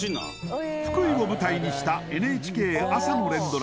福井を舞台にしたＮＨＫ朝の連ドラ